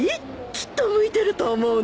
きっと向いてると思うのよ。